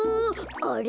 あれ？